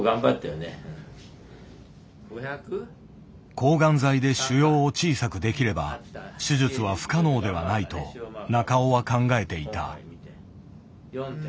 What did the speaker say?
抗がん剤で腫瘍を小さくできれば手術は不可能ではないと中尾は考えていた。